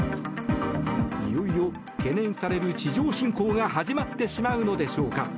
いよいよ懸念される地上侵攻が始まってしまうのでしょうか。